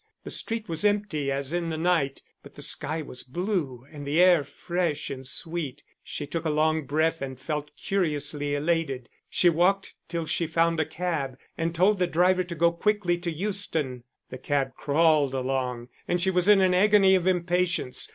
The street was empty as in the night; but the sky was blue and the air fresh and sweet, she took a long breath and felt curiously elated. She walked till she found a cab, and told the driver to go quickly to Euston. The cab crawled along, and she was in an agony of impatience.